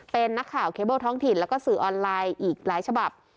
เป็นนักข่าวเคเบิลท้องถิ่นแล้วก็สื่อออนไลน์อีกหลายฉบับ